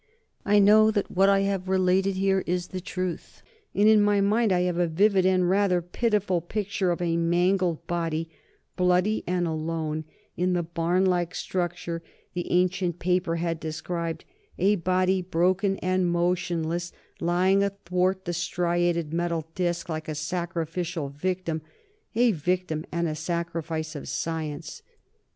I know that what I have related here is the truth, and in my mind I have a vivid and rather pitiful picture of a mangled body, bloody and alone, in the barn like structure the ancient paper had described; a body, broken and motionless, lying athwart the striated metal disc, like a sacrificial victim a victim and a sacrifice of science.